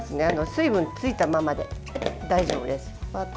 水分ついたままで大丈夫です。